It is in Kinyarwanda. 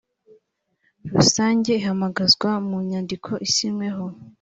rusange ihamagazwa mu nyandiko isinyweho